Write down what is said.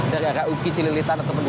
daerah uki celilitan atau